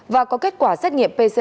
và có kết quả xét nghiệm pcr